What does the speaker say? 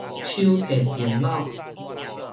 手提電腦